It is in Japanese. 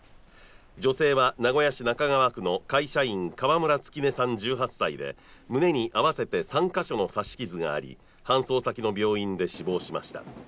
女性は名古屋市中川区の会社員川村月音さん１８歳で、胸に合わせて３か所の刺し傷があり搬送先の病院で死亡しました。